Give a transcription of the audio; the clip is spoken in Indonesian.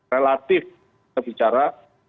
relatif kita bicara